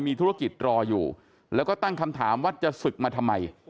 มีธุรกิจรออยู่แล้วก็ตั้งคำถามว่าจะศึกมาทำไม